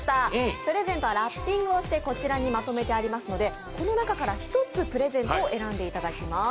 プレゼントはラッピングをしてこちらにまとめてありますのでこの中から１つプレゼントを選んでいただきます。